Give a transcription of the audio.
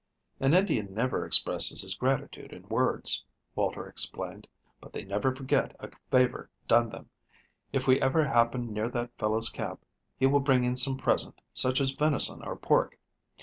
"An Indian never expresses his gratitude in words," Walter explained, "but they never forget a favor done them. If we ever happen near that fellow's camp, he will bring in some present, such as venison or pork.